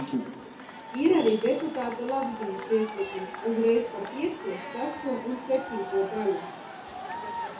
Ir arī deputāta Lagzdiņa priekšlikums uzreiz par piekto, sesto un septīto daļu.